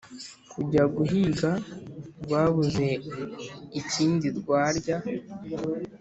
kujya guhiga rwabuze ikindi rwarya,